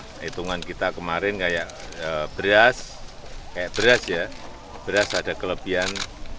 perhitungan kita kemarin kayak beras kayak beras ya beras ada kelebihan